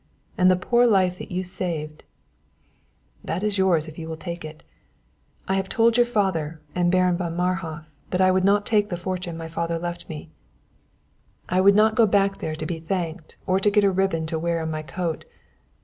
And the poor life that you saved, that is yours if you will take it. I have told your father and Baron von Marhof that I would not take the fortune my father left me; I would not go back there to be thanked or to get a ribbon to wear in my coat.